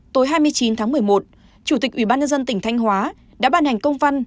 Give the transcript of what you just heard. tối hai mươi chín tháng một mươi một chủ tịch ủy ban nhân dân tỉnh thanh hóa đã ban hành công văn